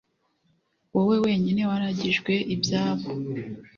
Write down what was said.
Wowe wenyine waragijwe ibyabo